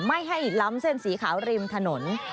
ไม่ให้ล้ำเส้นสีขาวริมถนน